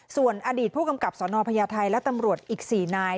ส่วนอดีตผู้กำกับสนพญาไทยและตำรวจอีก๔นาย